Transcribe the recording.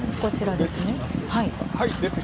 出てきますでしょうか。